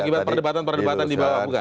akibat perdebatan perdebatan di bawah